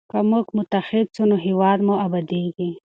که موږ متحد سو نو هیواد مو ابادیږي.